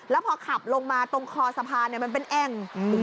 แล้วพอขับลงมาตรงคอสะพานมันเป็นแอ่ง